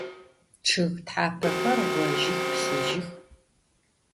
Ççıg thapexer ğojıx, plhıjıx.